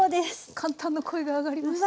感嘆の声が上がりました。